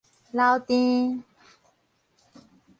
流滇